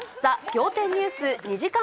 仰天ニュース２時間